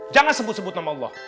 jangan sebut sebut nama allah